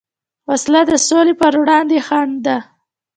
وسله د سولې پروړاندې خنډ ده